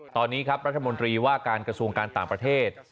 ตอนนี้ครับรัฐมนตรีว่าการกระทรวงการต่างประเทศ